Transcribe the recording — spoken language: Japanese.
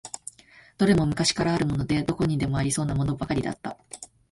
どれも昔からあるもので、どこにでもありそうなものばかりだった。